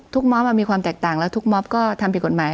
มอบมีความแตกต่างแล้วทุกมอบก็ทำผิดกฎหมาย